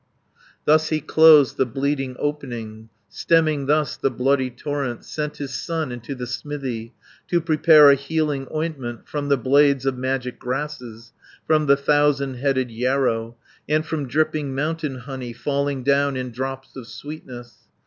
Thus he closed the bleeding opening, Stemming thus the bloody torrent, Sent his son into the smithy, To prepare a healing ointment 420 From the blades of magic grasses, From the thousand headed yarrow, And from dripping mountain honey, Falling down in drops of sweetness.